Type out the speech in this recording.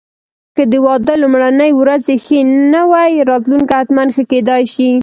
که د واده لومړني ورځې ښې نه وې، راتلونکی حتماً ښه کېدای شي.